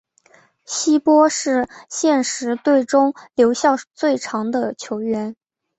希拔是现时队中留效最长的球员。